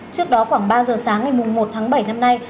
trước đó khoảng ba giờ sáng ngày một tháng bảy năm nay